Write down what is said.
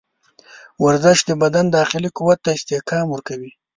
ورزش د بدن داخلي قوت ته استحکام ورکوي.